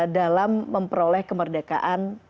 dalam memperoleh kemerdekaan